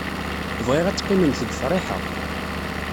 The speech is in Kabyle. Bɣiɣ ad teqqimemt deg Friḥa.